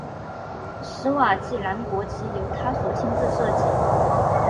史瓦济兰国旗由他所亲自设计。